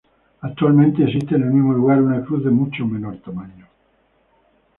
Actualmente existe en el mismo lugar una cruz de mucho menor tamaño.